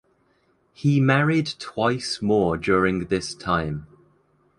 He married twice more during this time.